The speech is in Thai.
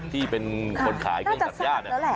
ที่เป็นคนขายเครื่องตัดย่าเนี่ย